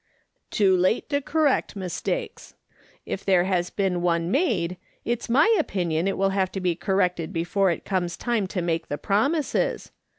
" Too late to correct mistake.^. If there has been one made, it's my opinion it will have to be corrected before it comes time to make the promises.